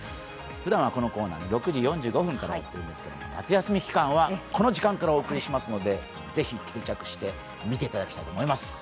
ふだんはこのコーナー６時４５分からやっているんですけど、夏休み期間はこの時間からお伝えしますのでぜひ、定着して見ていただきたいと思います。